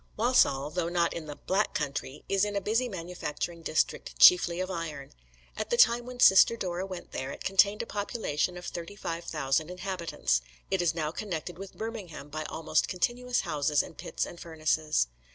Walsall, though not in the "Black Country," is in a busy manufacturing district, chiefly of iron. At the time when Sister Dora went there it contained a population of 35,000 inhabitants. It is now connected with Birmingham by almost continuous houses and pits and furnaces.